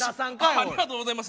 ありがとうございます。